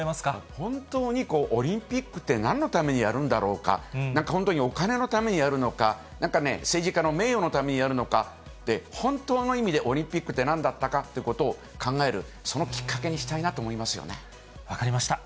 本当にオリンピックってなんのためにやるんだろうか、なんか本当にお金のためにやるのか、なんかね、政治家の名誉のためにやるのかって、本当の意味でオリンピックって何だったかということを考える、そのきっかけにした分かりました。